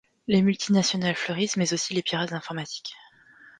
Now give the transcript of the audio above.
Les multinationales fleurissent, mais aussi les pirates informatiques.